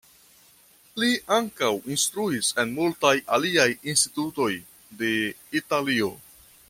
Li ankaŭ instruis en multaj aliaj institutoj de Italio.